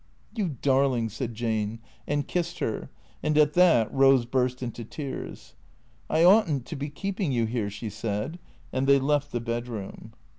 " You darling," said Jane, and kissed her, and at that Rose burst into tears. " I ought n't to be keeping you here," she said. And they left the bedroom.